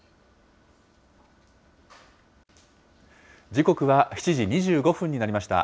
時刻は７時２５分になりました。